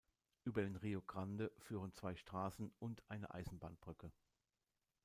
Über den Rio Grande führen zwei Straßen- und eine Eisenbahnbrücke.